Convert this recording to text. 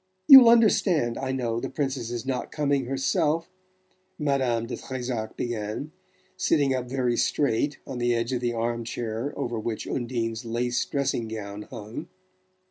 "You'll understand, I know, the Princess's not coming herself " Madame de Trezac began, sitting up very straight on the edge of the arm chair over which Undine's lace dressing gown hung.